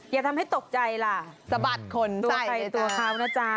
อย่าทำให้ตกใจล่ะสะบัดขนใสไปตัวใครตัวขาวนะจ๊ะ